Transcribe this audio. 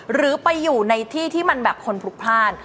หรือไปอยู่ในที่ที่มันแบบคนพลุกพลาด